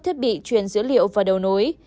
thiết bị truyền dữ liệu và đầu nối